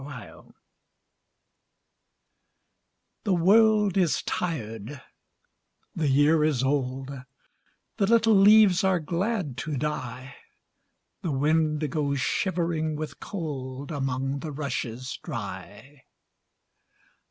November The world is tired, the year is old, The little leaves are glad to die, The wind goes shivering with cold Among the rushes dry.